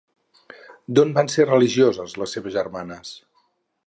D'on van ser religioses les seves germanes?